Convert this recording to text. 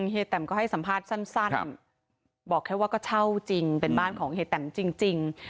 เฮแตมก็ให้สัมภาษณ์สั้นบอกแค่ว่าก็เช่าจริงเป็นบ้านของเฮียแตมจริง